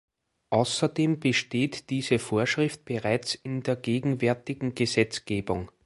Außerdem besteht diese Vorschrift bereits in der gegenwärtigen Gesetzgebung.